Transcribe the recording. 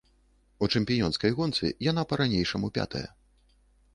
У чэмпіёнскай гонцы яна па-ранейшаму пятая.